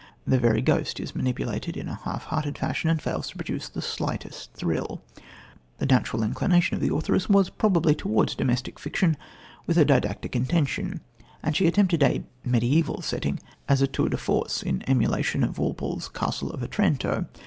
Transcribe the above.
The very ghost is manipulated in a half hearted fashion and fails to produce the slightest thrill. The natural inclination of the authoress was probably towards domestic fiction with a didactic intention, and she attempted a "mediaeval" setting as a tour de force, in emulation of Walpole's Castle of Otranto.